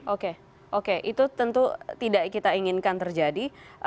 oke oke itu tentu tidak kita inginkan terjadi